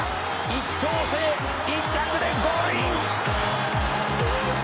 「１等星１着でゴールイン！」